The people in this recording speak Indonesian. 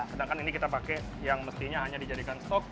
sedangkan ini kita pakai yang mestinya hanya dijadikan stok